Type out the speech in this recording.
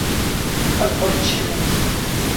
Ez birçî bûm.